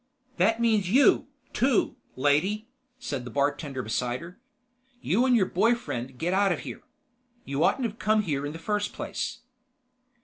"That means you, too, lady," said the bartender beside her. "You and your boy friend get out of here. You oughtn't to have come here in the first place."